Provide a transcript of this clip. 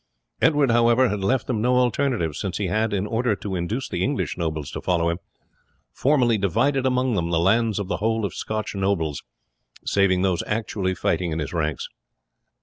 Edward, however, had left them no alternative, since he had, in order to induce the English nobles to follow him, formally divided among them the lands of the whole of the Scotch nobles, save those actually fighting in his ranks.